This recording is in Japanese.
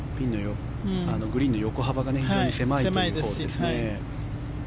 グリーンの横幅が非常に狭いというホールですね。